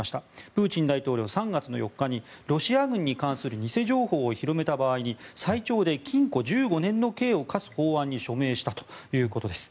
プーチン大統領は３月４日にロシア軍に関する偽情報を広めた場合に最長で禁錮１５年の刑を科す法案に署名したということです。